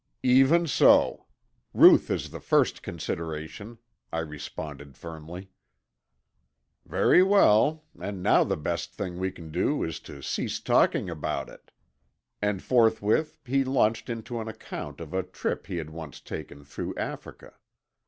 "Even so. Ruth is the first consideration," I responded firmly. "Very well, and now the best thing we can do is to cease talking about it," and forthwith he launched into an account of a trip he had once taken through Africa.